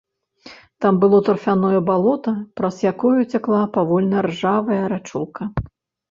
Там было тарфяное балота, праз якое цякла павольна ржавая рачулка.